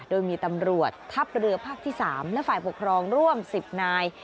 โดยมีตำรวจทัพเรือภาคที่๓และฝ่ายปกครองร่วม๑๐นาย